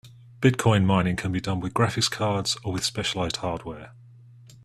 Bitcoin mining can be done with graphic cards or with specialized hardware.